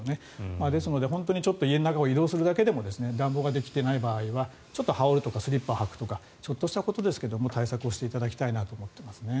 家の中をちょっと移動するだけでも暖房ができていない時は羽織るとかスリッパを履くとかちょっとしたことですけど対策をしていただきたいなと思いますね。